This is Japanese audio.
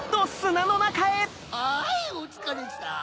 はいおつかれさん！